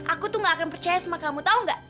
aku tuh gak akan percaya sama kamu tahu nggak